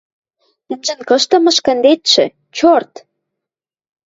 Тӹньжӹн кышты мышкындетшӹ, чёрт!?»